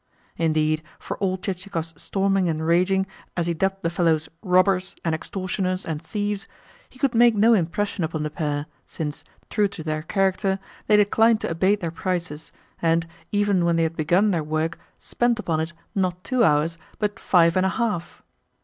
Indeed, for all Chichikov's storming and raging as he dubbed the fellows robbers and extortioners and thieves, he could make no impression upon the pair, since, true to their character, they declined to abate their prices, and, even when they had begun their work, spent upon it, not two hours, but five and a half.